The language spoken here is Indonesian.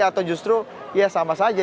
atau justru ya sama saja